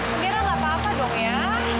segera gak apa apa dong ya